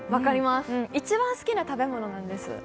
一番好きな食べ物なんです。